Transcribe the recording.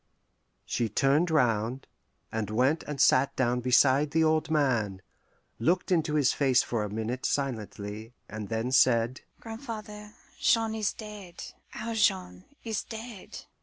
'" She turned round, and went and sat down beside the old man, looked into his face for a minute silently, and then said, "Grandfather, Jean is dead; our Jean is dead."